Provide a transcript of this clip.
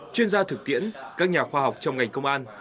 chuyên gia thực tiễn các nhà khoa học trong ngành công an